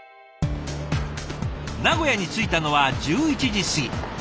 名古屋に着いたのは１１時過ぎ。